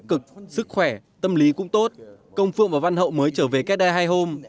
các điều tích cực sức khỏe tâm lý cũng tốt công phương và văn hậu mới trở về kết đai hai hôm